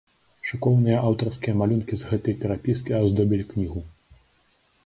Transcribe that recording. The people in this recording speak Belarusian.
Шыкоўныя аўтарскія малюнкі з гэтай перапіскі аздобілі кнігу.